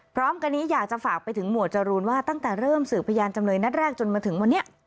พร้อมกันนี้อยากจะฝากไปถึงหมวดจรูนว่าตั้งแต่เริ่มสืบพยานจำเลยนัดแรกจนมาถึงวันนี้